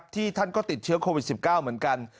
ท่านก็ติดเชื้อโควิด๑๙เหมือนกัน